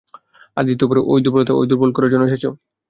আর দ্বিতীয় বার ঐ দুর্ভলতা ঐ ভুল করার জন্য এসেছ?